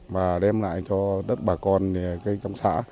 và đem lại cho đất bà con trong xã